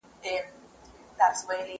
تمرين د زده کوونکي له خوا کيږي!؟